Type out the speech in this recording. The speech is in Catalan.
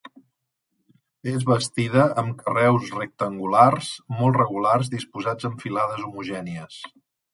És bastida amb carreus rectangulars molt regulars disposats en filades homogènies.